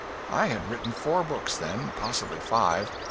I had written four books then, possibly five.